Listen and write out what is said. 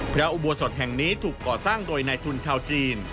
เพราะอุบัติศาสตร์แห่งนี้ถูกก่อสร้างโดยนายทุนชาวจีน